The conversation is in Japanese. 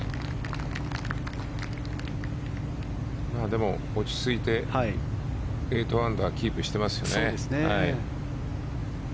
でも落ち着いて８アンダーキープしてますよね。